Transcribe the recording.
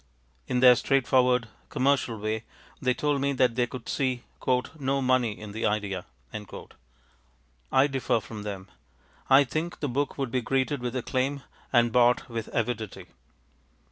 In their straightforward commercial way they told me they could see ŌĆ£no money in the idea. ŌĆØ I differ from them; I think the book would be greeted with acclaim and bought with avidity.